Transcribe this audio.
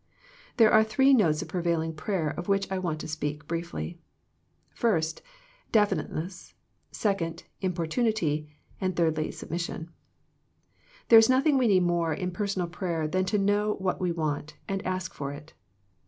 There are three notes of prevailing prayer of which I want to speak briefly. First, definite ness, secondly, importunity, and thirdly, submis: sion. There is nothing we need more in personal prayer than to know what we want, and ask for it.